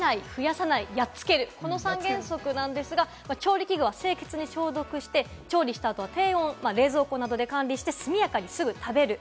この３原則なんですが、調理器具は清潔に消毒して調理したあとは低温、冷蔵庫などで管理して速やかにすぐ食べる。